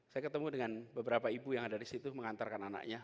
saya ketemu dengan beberapa ibu yang ada di situ mengantarkan anaknya